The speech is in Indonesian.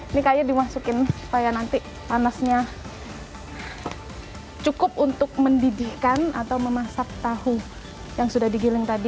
ini kayu dimasukin supaya nanti panasnya cukup untuk mendidihkan atau memasak tahu yang sudah digiling tadi